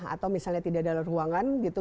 atau misalnya tidak dalam ruangan gitu